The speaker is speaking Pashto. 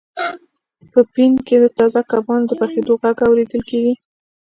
په پین کې د تازه کبانو د پخیدو غږ اوریدل کیږي